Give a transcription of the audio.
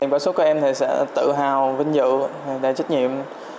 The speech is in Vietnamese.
với số các em thì sẽ tự hào vinh dự đầy trách nhiệm